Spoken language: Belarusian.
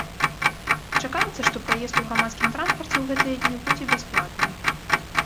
Чакаецца, што праезд у грамадскім транспарце ў гэтыя дні будзе будзе бясплатным.